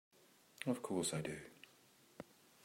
Of course I do!